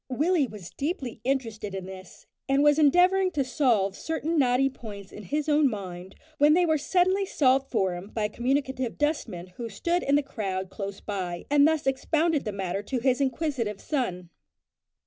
Willie was deeply interested in this, and was endeavouring to solve certain knotty points in his own mind, when they were suddenly solved for him by a communicative dustman who stood in the crowd close by, and thus expounded the matter to his inquisitive son.